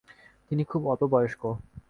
তিনি খুব অল্প বয়স্ক।